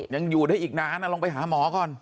ยังอยู่ได้อีกนานลงไปหาหมอก่อน